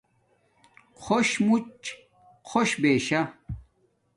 خوش موڎ خوش بشا